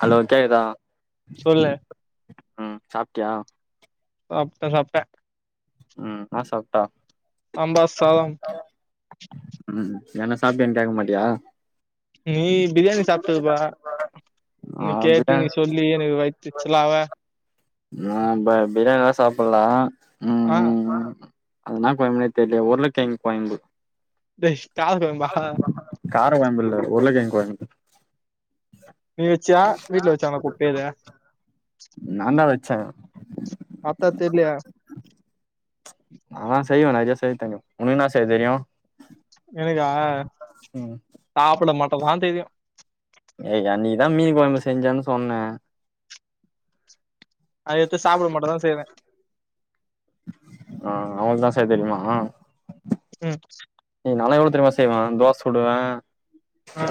hello கேக்குதா சொல்லு உஹம் சாப்புட்டியா சாப்ட்டே சாப்பிட்டே உம் ன்னா சாப்ட்டா சாம்பார் சாதம் ம் என்ன சாப்ட்டியான்கேக்க மாட்டியா நீ பிரியாணி சாப்பிட்டு இருப்ப ஆ நீ கேட்டு நீ பிரியாணி சொல்லி எனக்கு வயித்தெரிச்சலாவே நா பிரியாணி எல்லா சாப்பிடலா ஆ அது என்னா கொழம்புனே தெர்லயே உருளக்கிழங்கு கொய்ம்பு டேய் காது கோயம்பா கார குழம்பு இல்ல உருளக்கிழங்கு குழம்பு நீ வச்சியா வீட்ல வச்சாங்களா குப்பைல நான் தா வச்சே பாத்தா தெர்லயா ஆனா செய்வே நெறைய செய்ய தெரியு ஒனக் என்னா செய்ய தெரியும் எனக்கா ம் ப்ப வாந்த தெரியு தான் மீன் கொழம்பு செஞ்சன் சொன்னேன் அது எடுத்து சாப்பிட மட்டுதா செய்வே ஆ அவங்களுக்கு தா செய்ய தெரியுமா ம் ஏய் நாலா எவ்ளோ தெரியுமா செய்வே தோச சுடுவே ஆ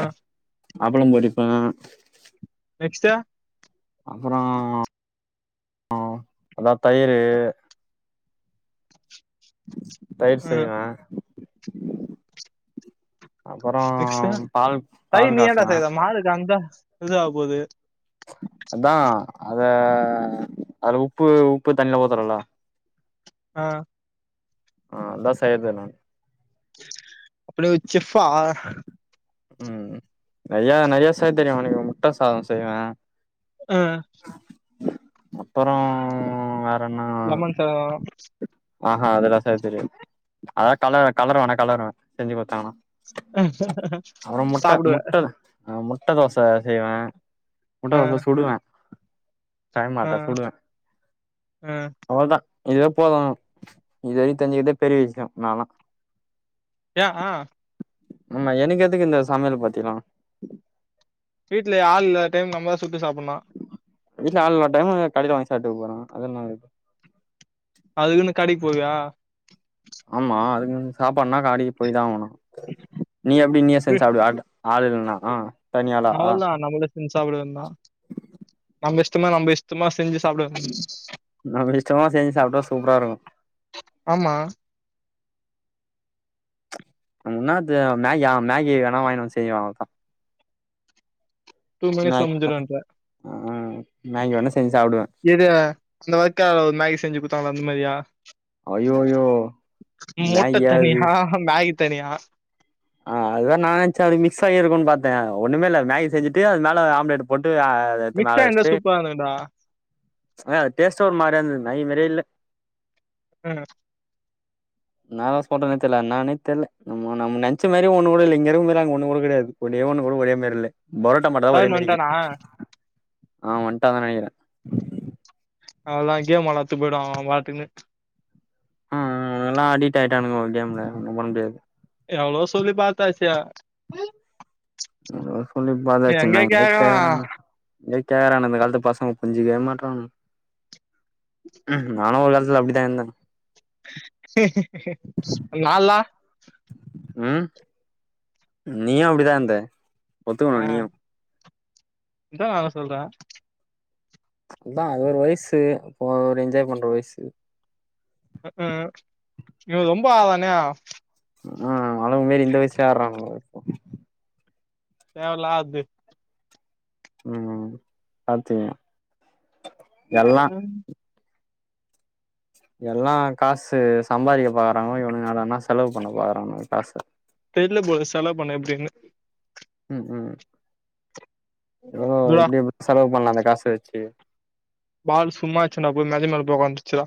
அப்பளம் பொறிப்பே நெக்ஸ்ட்டு அப்புறொ அதா தையிரு தயிர் செய்வே ம் அப்பறோ நெக்ஸ்ட்டு பால் தையிர் பால் நீ ஏன்டா காசுவே செய்ற மாடு தந்தா இது ஆகப்போது அதா அத அதுல உப்பு உப்பு தண்ணில ஊத்துரோல அ ஆ அதா செய்றது நான் அப்டி ஒரு செஃவ்வா ம் நெறைய நெறைய செய்ய தெரியு உனக்கு முட்ட சாத செய்வே ம் அப்பறம் லெமன் சாதம் ஆஹீ அதெல்லா செய்ய தெரியாது அதா கலருவே கலருவே வேணா கலருவே செஞ்சு குடுத்தாங்கனா அப்புறம் முட்ட சாப்டுவ முட்டது ஆ முட் முட்ட தோச செய்வே முட்ட ஆ தோச சுடுவே ஆ செய்மாட்டே சுடுவே ஆ அவ்ளதா இதுவே போது இது வரையு தெஞ்சுக்கதே பெரிய விஷய நாலா ஏ ஆ ஆமா எனக்கு எதுக்கு இந்த சமையல் பாத்திலா வீட்ல ஆள் இல்லாத டைம் நம்மதா சுட்டு சாப்பட்னு வீட்ல ஆள் இல்லா டைமு கடைல வாங்கி சாப்டுக போறோ அதுல என்னா இருக் இப்போ அதுகுனு கடைக் போவியா சாப்பாட்னா கடைகி போய்தா ஆவணு நீ எப்டி நீயே செஞ்சு சாப்டுவியா ஆ ஆளில்லனா அவ்ளோதா நம்ளோ செஞ்சு சாப்டவேன்தா நம்ப இஷ் சும்மா நம்ப இஷ்டமா செஞ்சு சாப்பட நம்ம இஷ்டமா செஞ்சு சாப்ட்டா சூப்ரா இருக்கு ஆமா என்னாது மேகியா மேகி வேணா வாய்ண்டு வந்து செய்வ அவ்ளோதா டூ மினிட்ஸ்ல மேக் முடிஞ்சிருன்ற [inaudible] ம் மேகி வேணா செ எது அந்த வெர்க்கா மேகி செஞ்சு குத்தாங்ளோ அந்த மாரியா ஐயோயோ முட்ட மேகியா அது தனியா மேகி தனியா தா ஒண்ணுமே இல்ல மேகி செஞ்சுட்டு அது மேல ஆம்லேட்ட போட் ஆ அத எடுத்து மிக்ஸா மேல இருந்தா வெச்சுட்டு சூப்பரா இருந்துக்குடா அ டேஸ்ட்டு ஒரு மார் அந்த மேகி மாரியே இல்ல ம் நாவாஸ் போட்டனே தெர்ல என்னானே தெர்ல நம்ம நம்ம நென் ச்சு மாரி ஒன்னுகூட இல்ல இங்க இருக்கு போதுலா எனக்கு ஒன்னுகூட கடயாது ஒன்னே ஒன்னுகூட ஒரே மாரி இல்ல பரோட்டா மாட்டுதா ஒரே தருண் மாரி வன்ட்டானா இக்குது ஆ வண்டாங்க நெனைகுறே அவ்ளதா கேம் வெளாட்த்துக் போய்டுவாங்க அவ்ங்க பாட்டுகுனு ம் ம் எல்லா அடிக்ட் ஆய்ட்டானுக ஒரு கேம்ல ஒன்னு பண்ண முடியாது எவ்ளவோ சொல்லி பாத்தாச்சு எவ்ளவோ சொல்லி பதாச்சுனா எங்க கேக்கறாங்க எங்க கேக்கறானுங்க இந்த காலத்து பசங்க புரிஞ்சுக்கவே மாட்றானுங்க நானு ஒரு காலத்துல அப்டிதா இருந்தே நால்லா ம் நீயு அப்டிதா இருந்த ஒத்துகணு நீயு அத்தா நானு சொல்றே அத்தா அது ஒரு வய்சு அப்போ அது ஒரு என்ஜாய் பண்ற வய்சு ம் ம் இவ ரொம்ப ஆவானா ஆ அவ்ளுங்க மாரி இந்த வய்ஸ்லயே ஆட்றாங்க இப்போ தேவல்லாது ம் பாத்துங்க எல்லா ம் எல்லா காசு சம்பாரிக்க பாக்கறாங்கோ இவனுங்க என்னடானா செலவு பண்ண பாக்குறானுங்க காச தெர்ல போல செலவு பண்ண எப்டினு ம் ம் எவ்ளோ இதுடா எப்டி எப்டி செலவு பண்ணலா அந்த காசவெச்சி பால் சும்மா அச்சன்டா போய் அதே மேல போய் ஒக்கந்துச்சுடா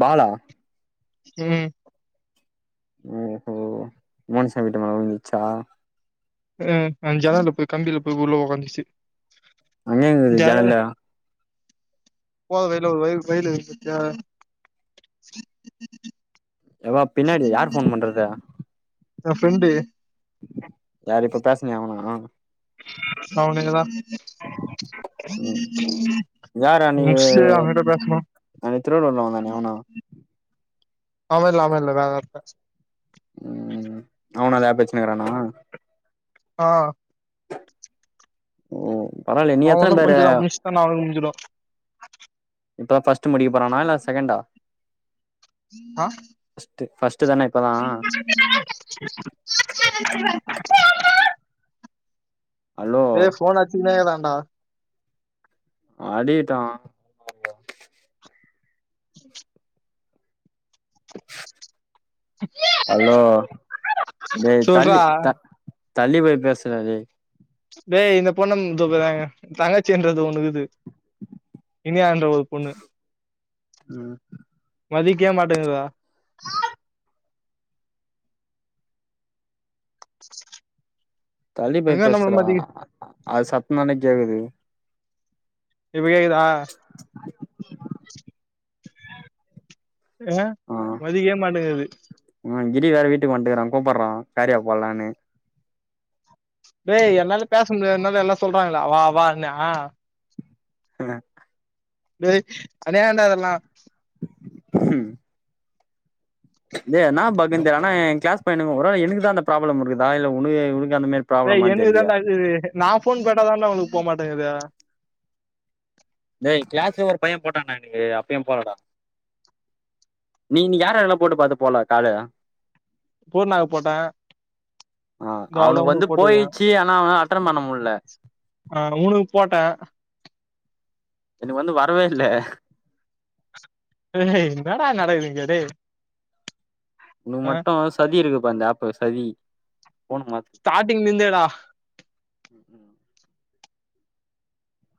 பாலா ம் ஓஹோ மோனிஷா வீட்டு மேல உழுந்துருச்சா ம் அந் ஜனல்ல போய் கம்பில போய் உள்ள உக்காந்துருச்சு அங்கேருந்தது ஜானல்ல போற வழில ஒரு வயல் வயல் இருக்கு பாத்தியா எப்பா பின்னாடி யார் போன் பண்றது எ ஃப்ரெண்டு யார் இப்ப பேசனயே அவனா அவனேதா ம் ஒமிஷோ யாரு இரி அவங்கிட்ட பேசணு [unintelligible] அவனா அவ இல்ல அவ இல்ல வேற ஒருத்த உம் அவனா எதா பேச்சனக்கிறானா ஆ ம் அவ ஒன்னு கொஞ்சதா [unintelligible] இப்ப ஃபஸ்ட்டு முடிக்க போறானா இல்ல செகண்டா ஆ ஃபர்ஸ்ட் ஃபர்ஸ்ட் தான இப்பதா ஹலோ ஏ ஃபோன் அச்சுகுனே இகான்டா அடிகிட்டு அலோ டேய் சொல்றா தள்ளி த தள்ளி போய் பேசுறா டேய் டேய் இந்தப் பொண்ணந் தொஃப தங்கச்சின்றது ஒன்னு இகுது இனியந் அ ஒரு பொண்ணு ம் மதிக்வே மாட்டேங்குதா தள்ளி போய் எங்க நம்மள பேசுறா மதிக்கு அது சத்ததான்டா கேக்குது இப்ப கேக்குதா அ ஆ மதிக்வே மாட்டேங்குது இடி வேற வீட்டுக்கு வன்ட்டுக்கறா கூப்பர்ற வேறையா போலானு பேய் என்னால பேச முடிய என்னால எல்லா சொல்றாங்களா வா வா ன்னா இல டேய் அனைய ஏண்ட இதெல்லா உம் டே என்னாப் பஃக்குன் தெர்ல ஆனா ஏங் கிளாஸ் பைய எனக் ஒரு வேள எனுகுதா அந்த ப்ராப்ளம் இருக்குதா இல்ல உனுகு உ ஏ எனகுதாண்டா இதுரு நா ஃபோன் போட்டாதான்டா உனுகு போமாட்டேங்குது டேய் கிளாஸ்ல ஒரு பைய போட்டான்டா எனகு அப்பியு போலடா நீ நீ யாரெல்லா போட்டு பாத்த போல காலு பூர்ணாக்கு போட்டே ஆ இதோ அவளதா அவுனுக்கு வந்து உனக்கு போட்டுக்குறே போயிச்சி ஆனா அவ அ ட்டன் பண்ண முல்ல ஆ உனுக் போட்டே எனகு வந்து வரவேல்ல டேய் இன்னாடா நடக்குது இங்க டேய் உனகு ஆ மட்டு சதி இருக்குப்பா இந்த ஏப்பு சதி ஃபோன மாத்து ஸ்டார்டிங் நிந்தேடா உம் உம்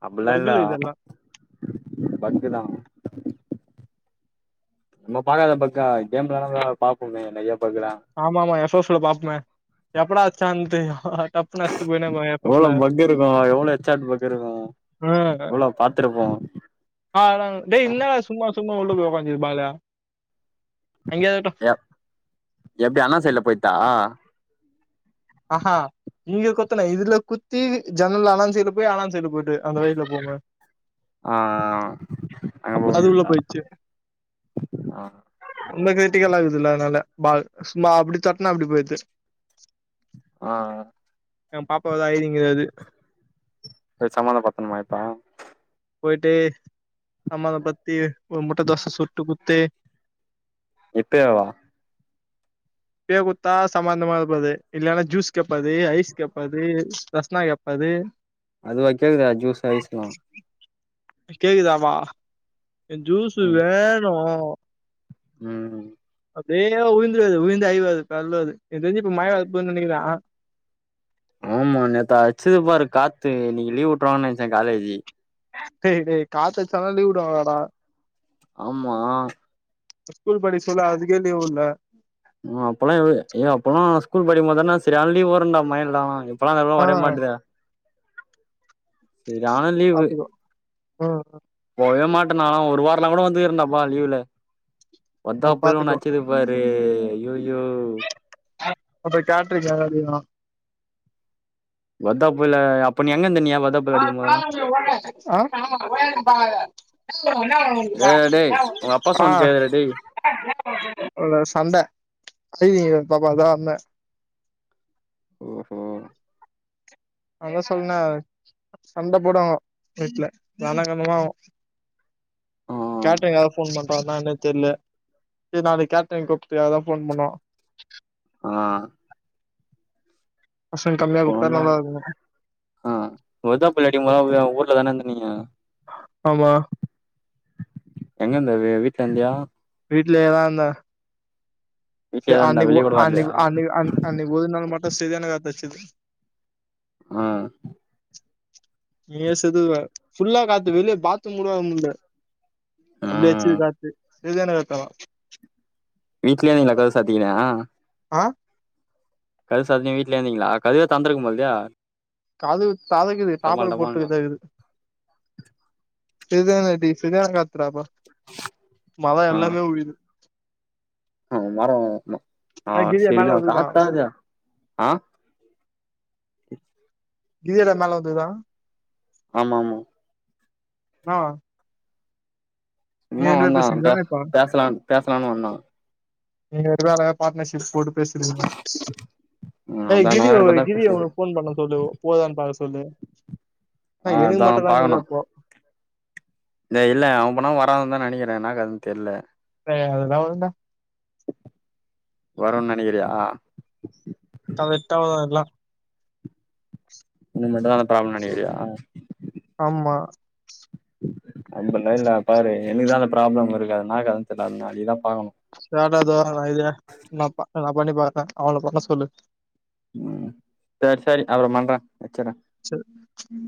அப்புஃல்லா இல்லா பக்குல இதெல்லா பஃக்குதா நம்ம பாக்காத பஃக்கா கேஃம் வெளாடப பாப்போமே நெயப் ஆமா மா ஏ ஷோஷுல பாப்பமே எப்படா அச்சான்ட்டு டப்புன்னு அடிச்சிட்டு போயினே இருப்பாங்க எஃப் எஃப் எவ்ளோ ல பஃக்கிருக்கு எவ்ளோ எச்சாட் பஃக்கிருக்கு எவ்ளோ பாத்துருப்போ ஆ ட டேய் என்னடா சும்மா சும் ம்மா உள்ள போய் உக்காந்திகு பாஃகலையா அங்கியே இகுட்டு எ எப்டி அண்ணாசைல்ல போயிட்டா ஆஹா இங்க குத்தன இதுல குத்தி ஜன்னல்ல அனான் சைட்ல போய் அனான் சைட்ல போய்ட் டு அந்த வயில்ல போங்க ஆ அங்க அப்ப போ அது உள்ள வேண்டியதா போயிட்ச்சு ஆ ரொம்ப கிரிட்டிக்கலா இக்குதுல அனால பால் சும்மா அப்டி தட்னா அப்டி போயிது ஆ அ எ பாப்பாவ தா ஐடிங் போய் சமாதானப்படுத்தனுமா இப்ப போய்ட்டு சமாதபத்தி ஒரு முட்ட தோச சுட்டு குத்து இப்பயாவா இப்பயே குத்தா சமாதானமாபது இல்லன்னா ஜூஸ் கேப்பா அது ஐஸ் கேப்பா அது ரஸ்னா கேப்பா அது அதுவா கேக்குது ஜூஸ் ஐஸ்லா கேக்குதாப்பா என் ஜூஸு ம் வேணு ம் அப்டே உழுந்துறாத உழுந்து அழுவாத கால்லது எனக் தெரிஞ்சு இப்ப மழ வரப்போத் நெனைக்கிற ஆ ஆமா நேத்து அச்சது பாரு காத்து இன்னைக்கு லீவ் விட்டுருவானென்ச்சே காலேஜி டேய் டேய் காத்தடிச்சால்லா லீவ் விடுவாங்களாடா ஆமா ஸ்கூல் படிஸ்சொல்ல அதுக்கே லீவ் உட்ல ஆ அப்பல்லா ஏய் அப்பல்லா ஸ்கூல் படிக்கும் போதுனா சரியான லீவ் வருண்டா மைழ்ல்லா இப்பெல்லா இந்த பக்கோ ஆ வரே மாட்ற செரியான லீவு பாத்துக்கோ போவே மாட்ட நாலா ஒரு வாரலா கூட வந்து இருந்தப்பா லீவுல ம் வந்தாப்பையு பாத்துக்கோ ஒன்னச்சது பாரு ஐய்யய்யோ அப்ப கேட்ருக்க ஏதாதுன்னா வத்தா போல அப்ப நீ எங்கந்த நீயி டேய் டேய் ஆ உங்க அப்பா சொன்னுச்சாரா டேய் இல்ல சண்ட அயி பாப்பாதா அண்ண ஓஹோ அங்க சொன்ன சண்ட போடுவாங்கோ வீட்ல ரனகணமாவு ஆ கேட்ரிங் யாராது ஃபோன் பண்றா என்னன்னே தெர்ல டேய் நாளைக் கேட்ரிங் கூப்ட்டதுக்கா ஃபோன் பண்ணோ ஆ பசங்க கம்மியா இப்போ கூப்ட்டா நல்லா வந்தாங்க இருக்கு ஆ இவ [unintelligible] ஊர்ல தான இருந்தா நீயு ஆமா எங்க இருந்த வே வீட்டாண்டையா வீட்லேயேதா இருந்த செரி வீட்லயேதா இருந்தா அன்னிக்கு ஒ வெளிய கூட வரலையா அன்னிக்கு அன் அன்க்கு ஒரு நாள் மட்டு செரியான காத்தடிச்சுது ஆ நீயே செத்ருவ ஃபுல்லா காத்து வெளிய பாத்ரூம் கூடோ வர முல்ல ஆ அப்டியச்சுது காத்து சரியான காத்தனா வீட்லயே நீ கதவு சாத்திக்கினியா ஆ கதவு சாத்தினு வீட்லே இருந்தீங்களா கதவே தொறந்திருக்கு போலல்லியா கதவு ததக்குது தாப்பாள் போட்டுது ததக்குது பெரிதான [unintelligible] செரியான காத்துறாப்பா மரோ ஆ எல்லாமே உழுது ஆ மரோ அமா ஆ கிரியா செரிதா மேல வந்துதா காத்தா அது ஆ [unintelligible] மேல வந்துதா ஆமா ஆமா அனா சும்மா வந்தா அவன்ட்ட இப்ப பேசலா பேசலானு வந்தா நீங்க ரெண்டு பேரு அழகா பார்ட்னர்ஷிப் போட்டு பெசுரதில்லா ம் ஏய் அதா நா கிரிய ஒரு இப்பதா கிரிய பேசி ஒரு ஃபோன் பண்ண சொல்லு போதான்னு பாத்து சொல்லு ஆ எனக்கு மட்டுதாங்கது அப்போ த இல்ல அவன் பன்னா வராது தா நெனைக்கிற என்னா கதனு தெரியல ஏய் அதெல்லா வருன்டா வருனு நெனக்கிறியா கரெக்டா வரு அதெல்லா இனிமேதா ப்ராபளம் நெனக்கிறியா ஆமா அப்பல்லா இல்ல பாரு எனக்குதா அந்த ப்ராப்ளம் இருக்காது என்னா கத தெரியது நாலைகுதா [unintelligible] இத நா நா பண்ணி பாக்கற அவள பண்ண சொல்லு உம் சேர் சேரி அப்றோ பண்ர செர் செர்